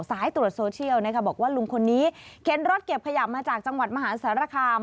สายตรวจโซเชียลนะคะบอกว่าลุงคนนี้เข็นรถเก็บขยะมาจากจังหวัดมหาสารคาม